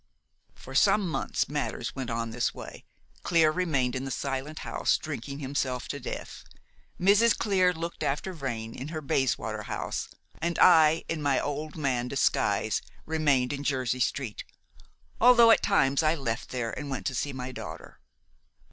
"For some months matters went on in this way. Clear remained in the Silent House, drinking himself to death; Mrs. Clear looked after Vrain in her Bayswater house; and I, in my old man disguise, remained in Jersey Street, although at times I left there and went to see my daughter.